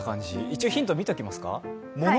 一応ヒント、見ときますか。